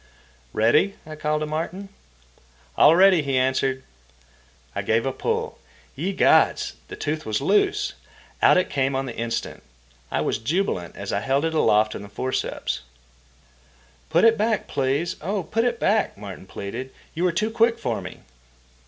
"Ready?" I called to Martin. "All ready," he answered. I gave a pull. Ye gods! The tooth was loose! Out it came on the instant. I was jubilant as I held it aloft in the forceps. "Put it back, please, oh, put it back," Martin pleaded. "You were too quick for me."